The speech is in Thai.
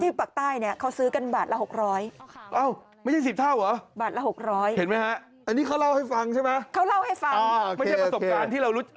ที่ปากใต้เขาซื้อกันบาทละ๖๐๐บาท